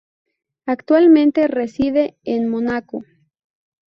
Actualmente reside en Mónaco.